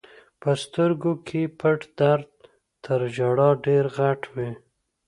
په سترګو کې پټ درد تر ژړا ډېر غټ وي.